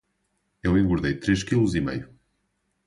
Eu engordei três quilos e meio.